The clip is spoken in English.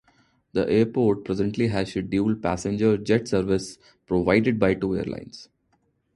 The airport presently has scheduled passenger jet service provided by two airlines.